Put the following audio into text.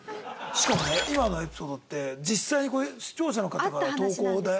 しかもね今のエピソードって実際にこれ視聴者の方からの投稿であった話だって。